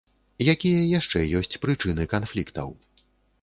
Якія яшчэ ёсць прычыны канфліктаў?